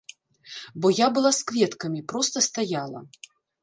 Бо я была з кветкамі, проста стаяла.